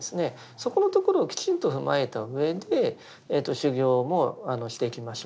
そこのところをきちんと踏まえたうえで修行もしていきましょうと。